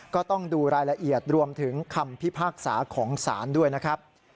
ก็ต้องดูรายละเอียดรวมถึงคำพิพากษาของศาลด้วยนะครับ